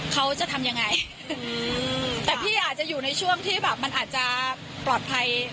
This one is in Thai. เขาจะทำยังไงแต่พี่อาจจะอยู่ในช่วงที่แบบมันอาจจะปลอดภัย